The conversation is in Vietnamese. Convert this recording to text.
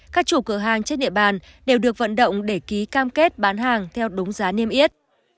các chủ cửa hàng trên địa bàn đều được vận động để ký cam kết bán hàng theo đúng giá niêm yết